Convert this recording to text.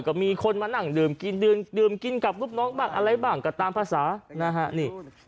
ก็มีคนมานั่งดื่มกินดื่มกินกับลูกน้องบ้างอะไรบ้างก็ตามภาษานะฮะนี่